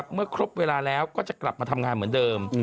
เมื่อครบเวลาแล้วก็จะกลับมาทำงานเหมือนเดิม